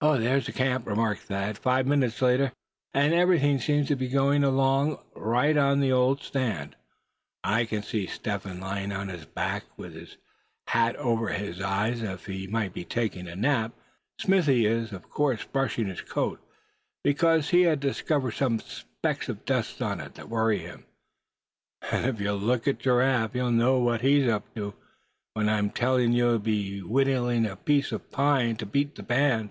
"There's the camp," remarked Thad, five minutes later, "and everything seems to be going along all right at the old stand. I can see Step Hen lying on his back, with his hat over his eyes as if he might be taking a nap; Smithy is of course brushing his coat, because he has discovered some specks of dust on it that worry him; and if you look at Giraffe, you'll know what he's up to when I tell you he's whittling at a piece of pine, to beat the band."